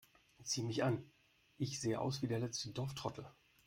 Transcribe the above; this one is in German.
Sieh mich an, ich sehe aus wie der letzte Dorftrottel!